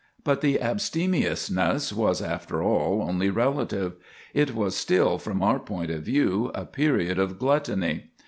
But the abstemiousness was, after all, only relative. It was still, from our point of view, a period of gluttony.